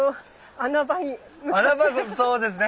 穴場そうですね。